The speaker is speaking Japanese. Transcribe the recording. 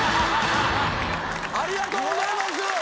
⁉ありがとうございます！